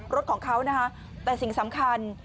รถของเขานะคะแต่สิ่งสำคัญ